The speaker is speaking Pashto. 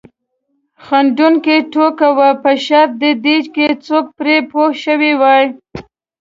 خندونکې ټوکه وه په شرط د دې که څوک پرې پوه شوي وای.